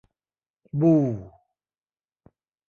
บู